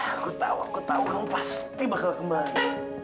aku tahu aku tahu kamu pasti bakal kembali